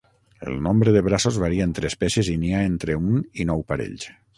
El nombre de braços varia entre espècies i n'hi ha entre un i nou parells.